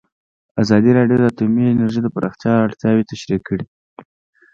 ازادي راډیو د اټومي انرژي د پراختیا اړتیاوې تشریح کړي.